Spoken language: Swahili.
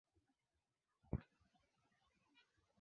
ujio wa wafaransa ulidhoofisha mamlaka ya kifalme